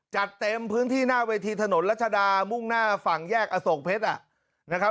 จัดเต็มพื้นที่หน้าเวทีถนนรัชดามุ่งหน้าฝั่งแยกอโศกเพชรนะครับ